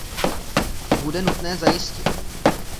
To bude nutné zajistit.